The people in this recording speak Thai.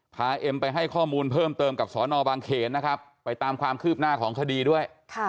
เอ็มไปให้ข้อมูลเพิ่มเติมกับสอนอบางเขนนะครับไปตามความคืบหน้าของคดีด้วย